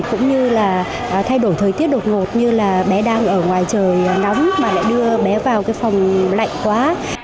cũng như là thay đổi thời tiết đột ngột như là bé đang ở ngoài trời nóng mà lại đưa bé vào cái phòng lạnh quá